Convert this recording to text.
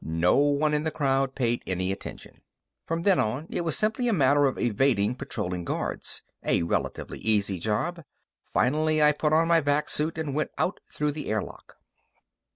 No one in the crowd paid any attention. From then on up, it was simply a matter of evading patrolling guards a relatively easy job. Finally, I put on my vac suit and went out through the air lock.